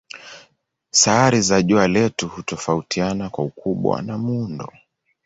Sayari za jua letu hutofautiana kwa ukubwa na muundo.